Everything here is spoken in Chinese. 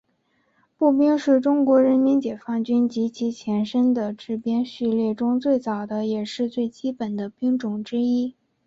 步兵是中国人民解放军及其前身的编制序列中最早的也是最基本的兵种之一。